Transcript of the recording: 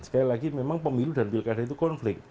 sekali lagi memang pemilu dan pilkada itu konflik